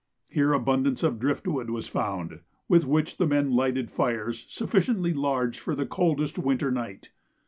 Here abundance of drift wood was found, with which the men lighted fires sufficiently large for the coldest winter night.